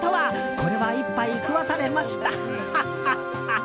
これは一杯食わされました。